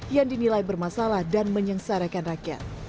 yang dinilai bermasalah dan menyengsarakan rakyat